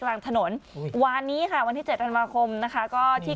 กลางถนนวานนี้ค่ะวันที่เจ็ดธันวาคมนะคะก็ที่